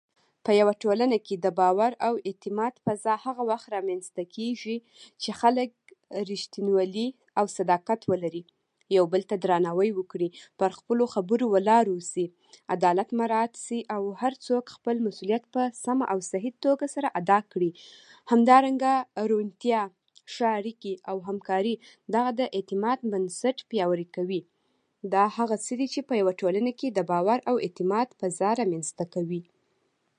رښتيني ملګري هغه څوک دي چې په سختو حالاتو کې درسره په څنګ کې ودريږي